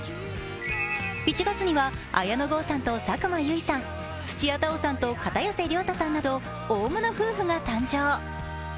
１月には綾野剛さんと佐久間由衣さん、土屋太鳳さんと片寄涼太さんなど大物夫婦が誕生。